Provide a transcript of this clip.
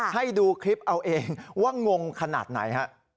ให้ดูคลิปเอาเองว่างงขนาดไหนฮะ